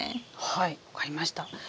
はい分かりました。